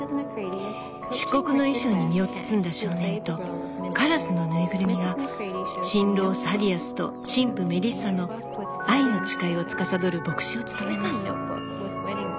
漆黒の衣装に身を包んだ少年とカラスの縫いぐるみが新郎サディアスと新婦メリッサの愛の誓いをつかさどる牧師を務めます。